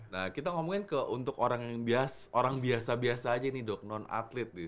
nah kita ngomongin ke untuk orang biasa biasa aja nih dok non atlet nih